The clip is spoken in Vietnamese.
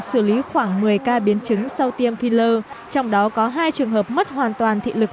xử lý khoảng một mươi ca biến chứng sau tiêm filler trong đó có hai trường hợp mất hoàn toàn thị lực